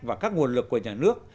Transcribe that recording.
và các nguồn lực của nhà nước